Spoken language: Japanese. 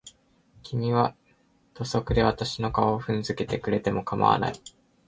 君は土足で私の顔を踏んづけてくれても構わない。